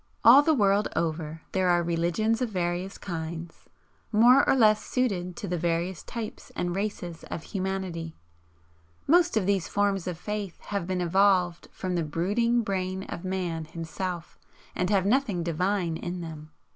All the world over there are religions of various kinds, more or less suited to the various types and races of humanity. Most of these forms of faith have been evolved from the brooding brain of Man himself, and have nothing 'divine,' in them.